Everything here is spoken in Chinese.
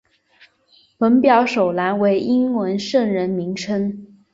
本表首栏为英文圣人名称。